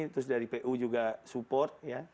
terus dari pu juga support ya